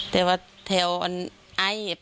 แต่ว่าเที่ยวไอ้ไปจับเวลานี้อาจจะเทิง